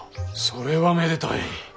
それはめでたい。